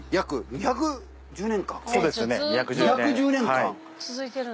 ２１０年。